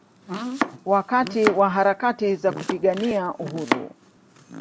Wakati wa harakati za kupigania Uhuru